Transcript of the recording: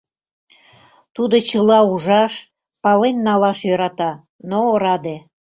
Тудо чыла ужаш, пален налаш йӧрата, но ораде.